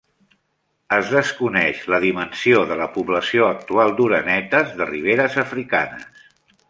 Es desconeix la dimensió de la població actual d'orenetes de ribera africanes.